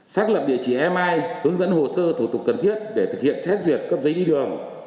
xác lập địa chỉ mi hướng dẫn hồ sơ thủ tục cần thiết để thực hiện xét duyệt cấp giấy đi đường